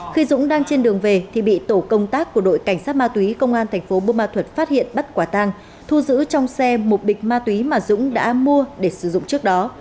khi dũng đang trên đường về thì bị tổ công tác của đội cảnh sát ma túy công an thành phố bô ma thuật phát hiện bắt quả tang thu giữ trong xe một bịch ma túy mà dũng đã mua để sử dụng trước đó